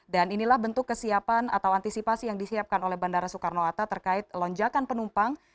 dan inilah bentuk kesiapan atau antisipasi yang disiapkan oleh bandara soekarno hatta terkait lonjakan penumpang